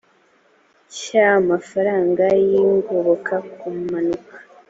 cy amafaranga y ingoboka ku mpanuka